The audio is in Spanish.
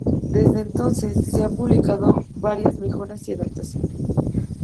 Desde entonces se han publicado varias mejoras y adaptaciones.